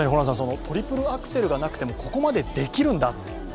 トリプルアクセルがなくてもここまでできるんだ